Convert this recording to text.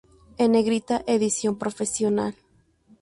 En negrita: edición profesional.